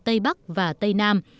tây bắc và tây nam